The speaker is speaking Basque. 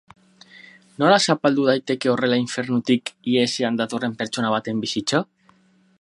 Nola zapaldu daiteke horrela infernutik ihesean datorren pertsona baten bizitza?